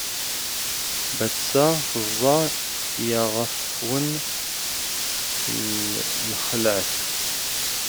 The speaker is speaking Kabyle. Batta teẓwa ya ɣefwem lxelɛet?